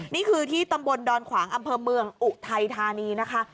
นี่คือที่ตำบลดอนขวางอำเภอเมืองอุทัยธานีนะคะ